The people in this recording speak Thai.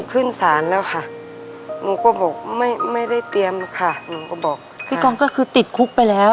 ขึ้นศาลแล้วค่ะหนูก็บอกไม่ไม่ได้เตรียมหรอกค่ะหนูก็บอกพี่กองก็คือติดคุกไปแล้ว